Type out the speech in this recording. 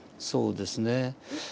そうですね。